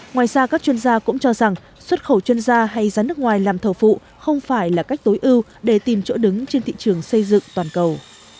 ngoài ra các chuyên gia cũng cho rằng xuất khẩu chuyên gia hay giá nước ngoài làm thầu phụ không phải là cách tối ưu để tìm chỗ đứng trên thị trường xây dựng toàn cầu